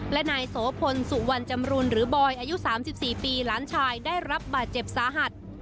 และนายโสพลสุวรรณจำรุนหรือบอยอายุ๓๔ปีหลานชายได้รับบาดเจ็บสาหัส